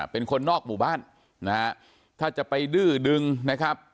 เป็นคนนอกหมู่บ้านนะฮะถ้าจะไปดื้อดึงนะครับ